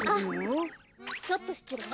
ちょっとしつれい。